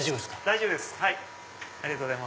大丈夫です。